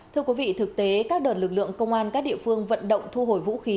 thưa quý vị thực tế các đợt lực lượng công an các địa phương vận động thu hồi vũ khí